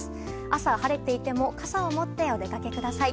朝、晴れていても傘を持ってお出かけください。